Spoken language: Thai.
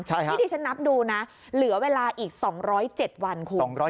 ที่ที่ฉันนับดูนะเหลือเวลาอีก๒๐๗วันคุณ